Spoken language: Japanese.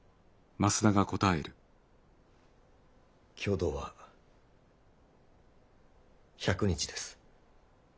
共同は１００日です。